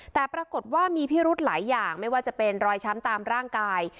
แต่ปรากฏว่ามีพิรุธหลายอย่างไม่ว่าจะเป็นรอยช้ำตามร่างกาย